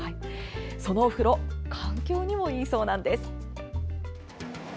そのお風呂環境にもいいそうなんです。